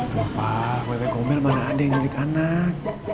bapak wewe gombel mana ada yang nyulik anak